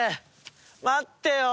待ってよ。